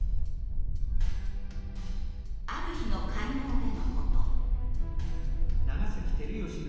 ある日の会合でのこと。